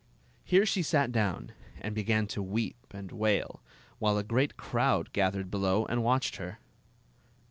Here she sat down and began to weep and wail, while a great crowd gathered below and watched her.